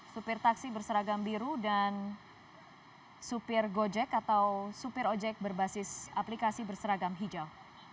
supir taksi berseragam biru dan supir gojek atau supir ojek berbasis aplikasi berseragam hijau